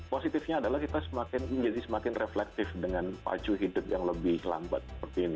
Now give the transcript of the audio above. positifnya adalah kita semakin menjadi semakin reflektif dengan pacu hidup yang lebih lambat seperti ini